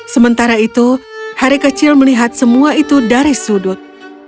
sementara itu hari kecil melihat semua itu dari sudut